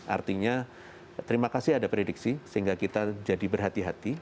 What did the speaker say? artinya terima kasih ada prediksi sehingga kita jadi berhati hati